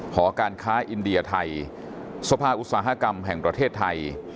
หอการค้าอินเดียไทยสภาอุตสาหกรรมแห่งประเทศไทย